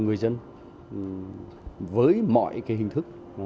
người dân với mọi hình thức